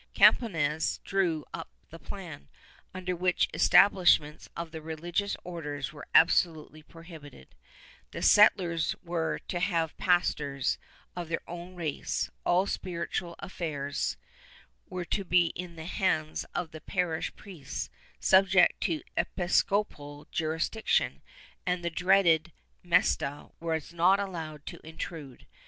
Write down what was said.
Campomanes drew up the plan, under which establish ments of the religious Orders were absolutely prohibited; the set tlers were to have pastors of their own race; all spiritual affairs were to be in the hands of the parish priests, subject to episcopal jurisdiction, and the dreaded Mesta was not allowed to intrude.